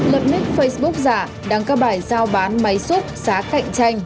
lập nếp facebook giả đăng các bài giao bán máy xuất giá cạnh tranh